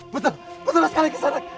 betul betul sekali kisah anak